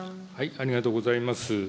ありがとうございます。